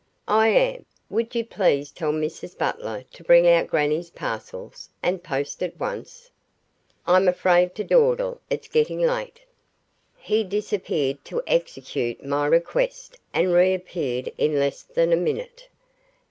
"I am. Would you please tell Mrs Butler to bring out grannie's parcels and post at once. I'm afraid to dawdle, it's getting late." He disappeared to execute my request and reappeared in less than a minute.